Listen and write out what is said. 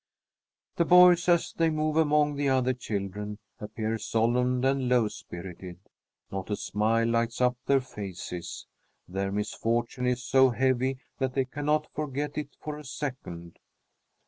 The boys, as they move among the other children, appear solemn and low spirited. Not a smile lights up their faces. Their misfortune is so heavy that they cannot forget it for a second.